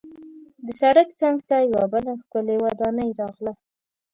د سړک څنګ ته یوه بله ښکلې ودانۍ راغله.